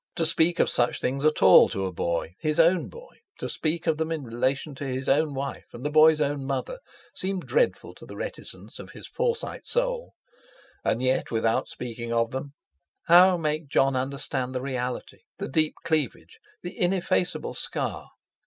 To speak of such things at all to a boy—his own boy—to speak of them in relation to his own wife and the boy's own mother, seemed dreadful to the reticence of his Forsyte soul. And yet without speaking of them how make Jon understand the reality, the deep cleavage, the ineffaceable scar?